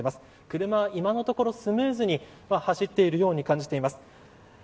車、今のところスムーズに走っているように感じています。